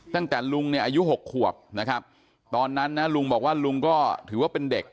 ตั้งแต่ลุงเนี่ยอายุ๖ขวบนะครับตอนนั้นนะลุงบอกว่าลุงก็ถือว่าเป็นเด็ก